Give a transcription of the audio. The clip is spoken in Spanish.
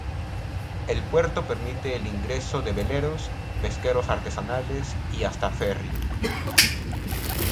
El puerto permite el ingreso de veleros, pesqueros artesanales y hasta ferry.